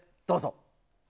どうぞ。